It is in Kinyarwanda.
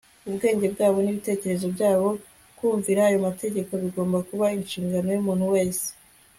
ubwenge bwabo, n'ibitekerezo byabo. kumvira ayo mategeko bigomba kuba inshingano y'umuntu wese